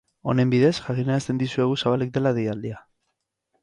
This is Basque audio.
Honen bidez, jakinarazten dizuegu zabalik dela deialdia.